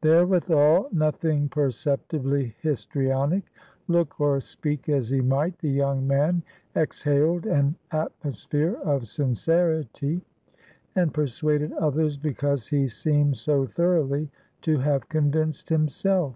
Therewithal, nothing perceptibly histrionic; look or speak as he might, the young man exhaled an atmosphere of sincerity, and persuaded others because he seemed so thoroughly to have convinced himself.